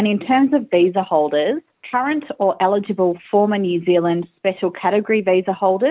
dengan rencana untuk belajar